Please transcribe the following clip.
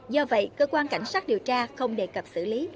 do vậy cơ quan cảnh sát điều tra không đề cập xử lý